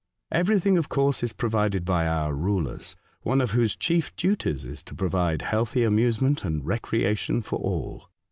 Every thing, of course, is provided by our rulers, one of whose chief duties is to provide healthy amusement and recreation for all.